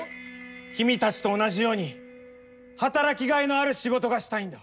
君たちと同じように働きがいのある仕事がしたいんだ。